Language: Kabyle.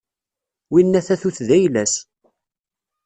Winna tatut d ayla-s.